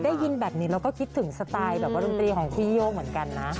ได้ยินแบบนี้เราก็คิดถึงสไตล์แบบว่าดนตรีของพี่โย่งเหมือนกันนะ